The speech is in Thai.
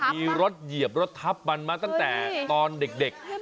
มีรถเหยียบรถทับมันมาตั้งแต่ตอนเด็ก